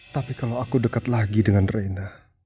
tapi kalau aku dekat lagi dengan reina